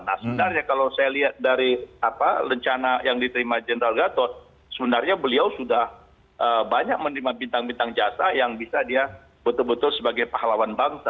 nah sebenarnya kalau saya lihat dari rencana yang diterima general gatot sebenarnya beliau sudah banyak menerima bintang bintang jasa yang bisa dia betul betul sebagai pahlawan bangsa